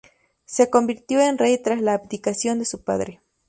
Se convirtió en rey tras la abdicación de su padre.